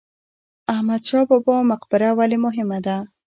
احمد شاه بابا مقبره ولې مهمه ده؟